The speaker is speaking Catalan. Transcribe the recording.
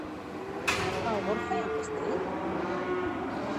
A Algorfa hi ha un castell?